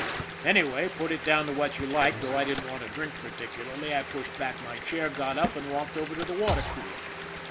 Anyway, put it down to what you like, though I didn't want a drink particularly I pushed back my chair, got up, and walked over to the water cooler.